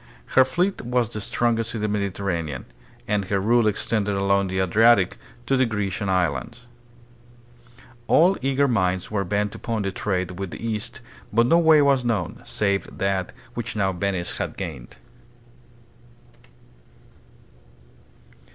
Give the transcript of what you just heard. Her fleet was the strongest on the Mediterranean, and her rule extended along the Adriatic to the Grecian islands. All eager minds were bent upon the trade with the East, but no way was known, save that which now Venice had gained.